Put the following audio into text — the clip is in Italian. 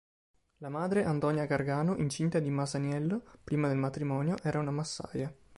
La madre, Antonia Gargano, incinta di Masaniello prima del matrimonio, era una massaia.